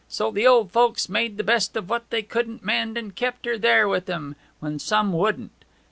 So the old folks made the best of what they couldn't mend, and kept her there with 'em, when some wouldn't.